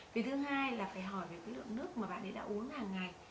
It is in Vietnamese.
vì thứ hai là phải hỏi về cái lượng nước mà bạn ấy đã uống hàng ngày